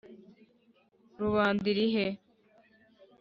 Rubanda ilihe?